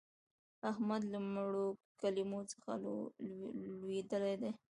احمد له مړو کلمو څخه لوېدلی دی.